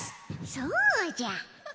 そうじゃ！